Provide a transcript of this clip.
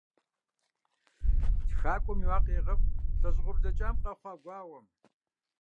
ТхакӀуэм и макъ егъэӀу лӀэщӀыгъуэ блэкӀам къэхъуа гуауэм.